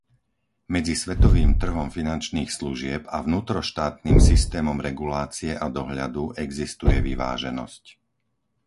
Medzi svetovým trhom finančných služieb a vnútroštátnym systémom regulácie a dohľadu existuje vyváženosť.